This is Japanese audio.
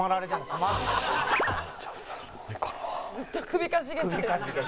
「ずっと首かしげてる」